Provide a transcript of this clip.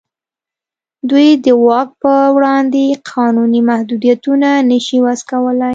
دوی د واک په وړاندې قانوني محدودیتونه نه شي وضع کولای.